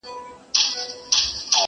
o په جنگ کي اسان نه چاغېږي٫